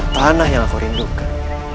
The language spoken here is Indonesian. tanah yang aku rindukan